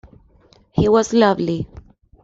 He was lovely.